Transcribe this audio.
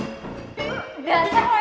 udah asap lo ya